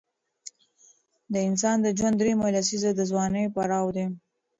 د انسان د ژوند دریمه لسیزه د ځوانۍ پړاو دی.